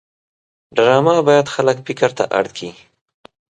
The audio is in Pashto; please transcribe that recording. ډرامه باید خلک فکر ته اړ کړي